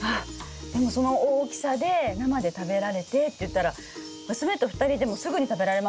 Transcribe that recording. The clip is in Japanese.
でもその大きさで生で食べられてっていったら娘と２人でもすぐに食べられますね。